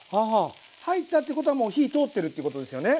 入ったってことはもう火通ってるっていうことですよね。